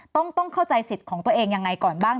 ต้องเข้าใจสิทธิ์ของตัวเองยังไงก่อนบ้าง